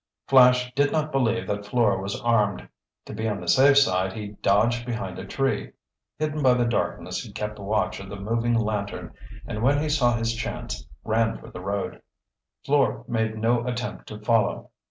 Flash did not believe that Fleur was armed. To be on the safe side he dodged behind a tree. Hidden by the darkness, he kept watch of the moving lantern, and when he saw his chance, ran for the road. Fleur made no attempt to follow.